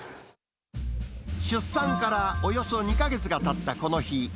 出産からおよそ２か月がたったこの日。